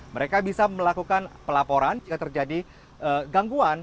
mereka bisa melakukan pelaporan jika terjadi gangguan